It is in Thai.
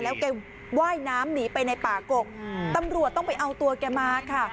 แล้วแกว่ายน้ำหนีไปในป่ากกตำรวจต้องไปเอาตัวแกมาค่ะ